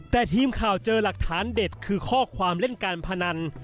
แต่ทีมข่าวเจอหลักฐานเด็ดคือข้อความเล่นการพนัน